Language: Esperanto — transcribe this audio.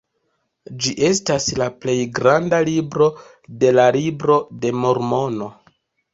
Ĝi estas la plej granda libro de la Libro de Mormono.